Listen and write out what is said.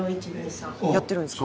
やってるんですか。